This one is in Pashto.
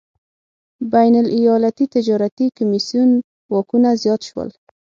بین الایالتي تجارتي کمېسیون واکونه زیات شول.